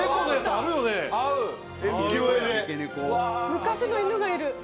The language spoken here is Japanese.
昔の犬がいる。